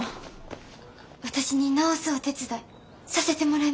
私に直すお手伝いさせてもらえませんか。